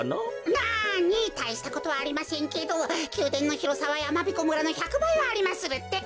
なにたいしたことはありませんけどきゅうでんのひろさはやまびこ村の１００ばいはありまするってか。